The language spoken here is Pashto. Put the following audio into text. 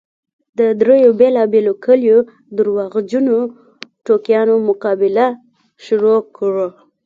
د دريو بېلابېلو کليو درواغجنو ټوکیانو مقابله شروع کړه.